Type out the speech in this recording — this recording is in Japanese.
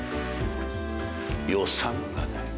予算がない。